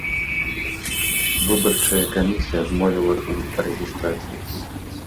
Выбарчая камісія адмовіла ў рэгістрацыі.